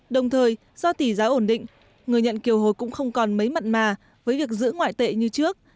đồng thời do tỷ giá ổn định người nhận kiều hối cũng không còn mấy mặn mà với việc giữ ngoại tệ như trước